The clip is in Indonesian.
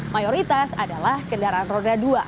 mayoritas adalah kendaraan roda dua